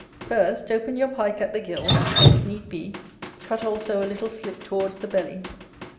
"First, open your Pike at the gills, and if need be, cut also a little slit towards the belly.